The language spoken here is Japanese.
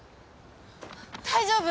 大丈夫？